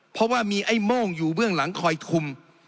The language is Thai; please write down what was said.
เพราะว่ามีไอ้โม่งอยู่เบื้องหลังคอยคุม